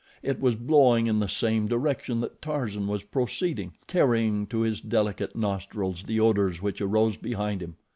It was blowing in the same direction that Tarzan was proceeding, carrying to his delicate nostrils the odors which arose behind him.